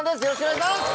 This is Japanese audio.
よろしくお願いします。